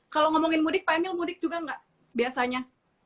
kalau ngomongin mudik pak emil mudik juga nggak biasanya